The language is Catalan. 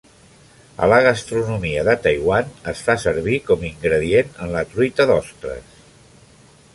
A la gastronomia de Taiwan es fa servir com ingredient en la truita d'ostres.